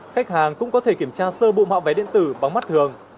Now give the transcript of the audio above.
khách hàng cũng có thể kiểm tra sơ bộ mạo vé điện tử bằng mắt thường